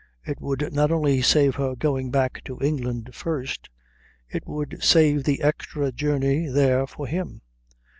It would not only save her going back to England first, it would save the extra journey there for him.